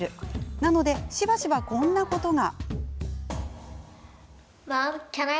なのでしばしば、こんなことが。